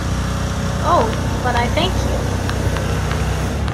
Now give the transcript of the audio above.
Oh, but I thank you!